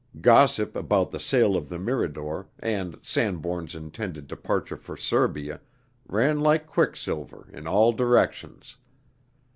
Gossip about the sale of the Mirador, and Sanbourne's intended departure for Serbia, ran like quicksilver, in all directions.